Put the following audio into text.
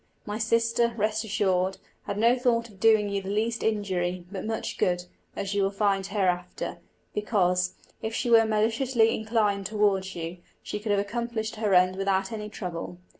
My sister, rest assured, had no thought of doing you the least injury, but much good, as you will find hereafter; because, if she were maliciously inclined towards you, she could have accomplished her end without any trouble.